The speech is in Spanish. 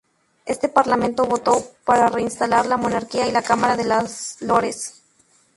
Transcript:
Este parlamento votó para reinstalar la monarquía y la Cámara de los Lores.